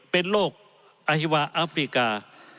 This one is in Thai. เป็นโรคอฮิวาอัฟริกา